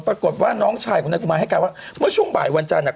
ปรากฏว่าน้องชายของนายกุมารให้การว่าเมื่อช่วงบ่ายวันจันทร์อ่ะ